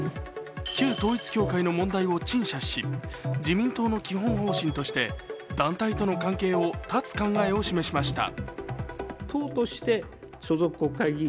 旧統一教会の問題を陳謝し自民党の基本方針として団体との関係を断つ考えを示しました。